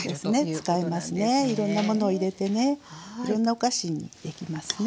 いろんなものを入れてねいろんなお菓子にできますね。